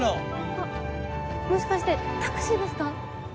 あっもしかしてタクシーですか？